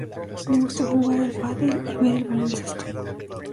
Le gusta jugar al pádel y ver el baloncesto.